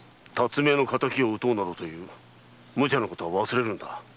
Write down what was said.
巽屋の敵を討とうなどという無茶なことは忘れるんだ。